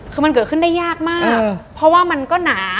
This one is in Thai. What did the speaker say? คือมันยากมาก